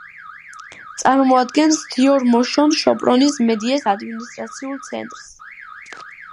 წარმოადგენს დიორ-მოშონ-შოპრონის მედიეს ადმინისტრაციულ ცენტრს.